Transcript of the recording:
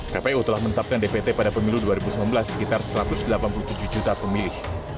kpu telah menetapkan dpt pada pemilu dua ribu sembilan belas sekitar satu ratus delapan puluh tujuh juta pemilih